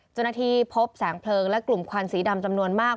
เจ้าหน้าที่พบแสงเพลิงและกลุ่มควันสีดำจำนวนมาก